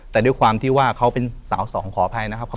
แต่ด้วยความที่ว่าเขาเป็นสาวสองขออภัยนะครับ